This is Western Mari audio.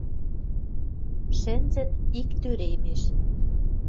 Шӹнзӹт ик тӧремеш.